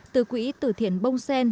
từ quỹ tử thiện bông sen